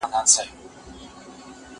زه هره ورځ د کتابتون د کار مرسته کوم.